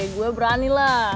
gue berani lah